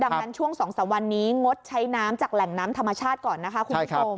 ดังนั้นช่วง๒๓วันนี้งดใช้น้ำจากแหล่งน้ำธรรมชาติก่อนนะคะคุณผู้ชม